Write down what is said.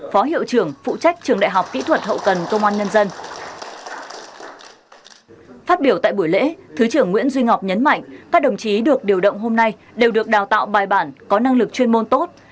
phát biểu tại buổi lễ thứ trưởng nguyễn duy ngọc nhấn mạnh các đồng chí được điều động hôm nay đều được đào tạo bài bản có năng lực chuyên môn tốt